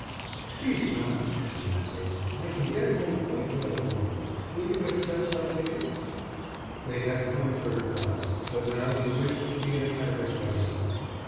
"Please not!" she answered. "I can get home quite well alone. Will you excess my ticket?" They had come third class, but now she wished to be in a carriage by herself.